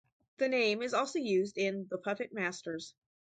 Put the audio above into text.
The name is also used in "The Puppet Masters".